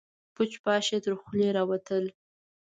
پوچ، پاش يې تر خولې راوتل.